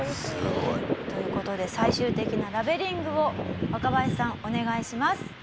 すごい。という事で最終的なラベリングを若林さんお願いします。